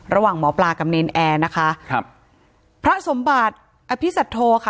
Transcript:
ระหว่างหมอปลากับเนรนแอร์นะคะครับพระสมบัติอภิสัตโธค่ะ